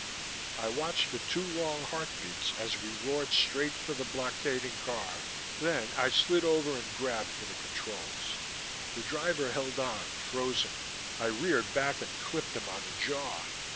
I watched for two long heartbeats as we roared straight for the blockading car, then I slid over and grabbed for the controls. The driver held on, frozen. I reared back and clipped him on the jaw.